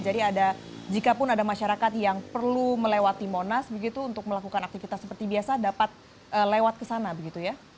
jadi ada jikapun ada masyarakat yang perlu melewati monas begitu untuk melakukan aktivitas seperti biasa dapat lewat ke sana begitu ya